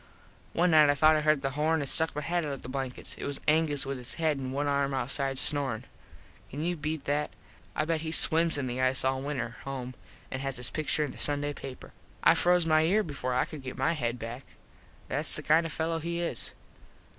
One night I thought I heard the horn and stuck my head out of the blankets. It was Angus with his head and one arm outside snorin. Can you beat that. I bet he swims in the ice all winter home and has his pictur in the Sunday paper. I froze my ear before I could get my head back. Thats the kind of a fello he is.